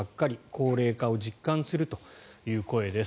高齢化を実感するという声です。